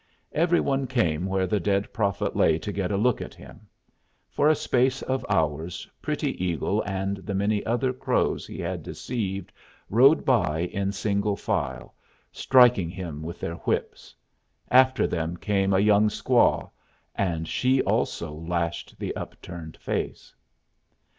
Every one came where the dead prophet lay to get a look at him. For a space of hours Pretty Eagle and the many other Crows he had deceived rode by in single file, striking him with their whips; after them came a young squaw, and she also lashed the upturned face.